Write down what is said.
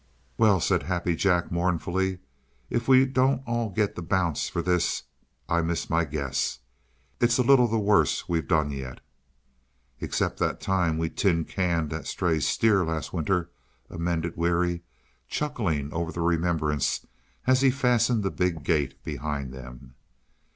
"Well," said Happy Jack, mournfully, "if we don't all get the bounce for this, I miss my guess. It's a little the worst we've done yet." "Except that time we tin canned that stray steer, last winter," amended Weary, chuckling over the remembrance as he fastened the big gate behind them.